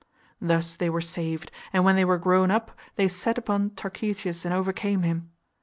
Thus they were saved, and when they were grown up, they set upon Tarchetius and overcame him.